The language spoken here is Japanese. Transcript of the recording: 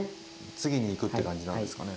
次に行くって感じなんですかね。